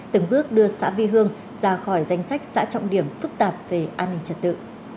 từng bước đưa xã vi hương ra khỏi danh sách xã trọng điểm phức tạp về an ninh trật tự